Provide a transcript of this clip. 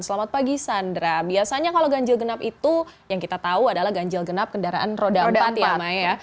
selamat pagi sandra biasanya kalau ganjil genap itu yang kita tahu adalah ganjil genap kendaraan roda empat ya maya